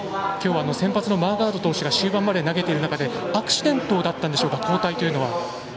今日は先発のマーガード投手が終盤まで投げている中でアクシデントだったんでしょうか。